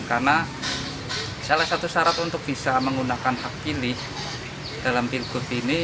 karena salah satu syarat untuk bisa menggunakan hak pilih dalam pilgut ini